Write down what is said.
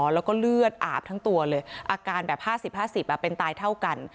แล้วก็เลือดอาบทั้งตัวเลยอาการแบบ๕๐๕๐เป็นตายเท่ากัน